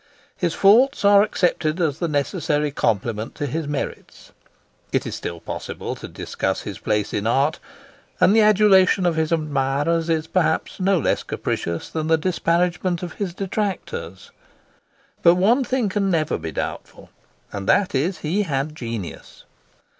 His faults are accepted as the necessary complement to his merits. It is still possible to discuss his place in art, and the adulation of his admirers is perhaps no less capricious than the disparagement of his detractors; but one thing can never be doubtful, and that is that he had genius.